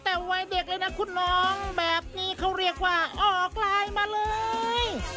แต่วัยเด็กเลยนะคุณน้องแบบนี้เขาเรียกว่าออกไลน์มาเลย